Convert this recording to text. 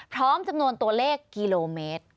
พร้อมจำนวนตัวเลขกิโลเมตร